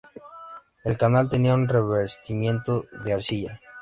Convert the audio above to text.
El canal tenía un revestimiento de arcilla.